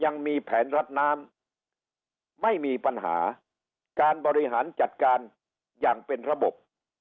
ยังมีแผนรัดน้ำไม่มีปัญหาการบริหารจัดการอย่างเป็นระบบ